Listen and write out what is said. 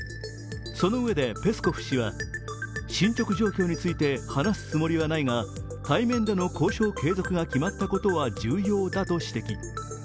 そのうえでペスコフ氏は進捗状況について話すつもりはないが、対面での交渉継続が決まったことは重要だと指摘。